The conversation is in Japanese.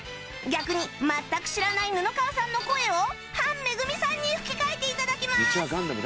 逆に全く知らない布川さんの声を潘めぐみさんに吹き替えて頂きます